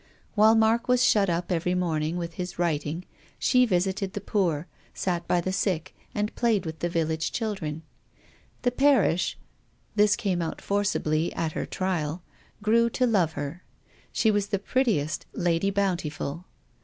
While Mark was shut up every morning with his writing 6he visited the poor, sat by the sick, and played with the village children. The Parish — this came out forcibly at her trial, — grew to love her. She was the prettiest Lady Bountiful.